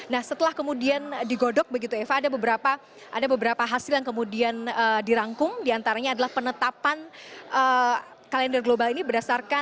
nah setelah kemudian digodok begitu eva ada beberapa hasil yang kemudian dirangkum diantaranya adalah penetapan kalender global ini berdasarkan